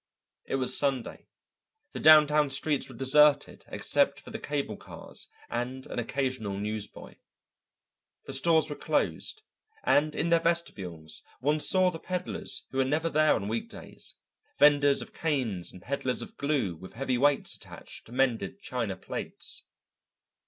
It was Sunday, the downtown streets were deserted except for the cable cars and an occasional newsboy. The stores were closed and in their vestibules one saw the peddlers who were never there on week days, venders of canes and peddlers of glue with heavy weights attached to mended china plates.